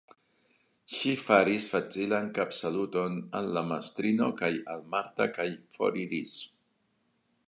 Ŝi faris facilan kapsaluton al la mastrino kaj al Marta kaj foriris.